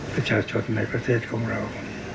ประชาชนในประเทศของเรา